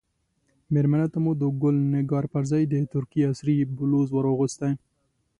مېرمنې ته مو د ګل نګار پر ځای د ترکیې عصري بلوز ور اغوستی.